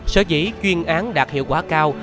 sở dĩ chuyên án đạt hiệu quả cao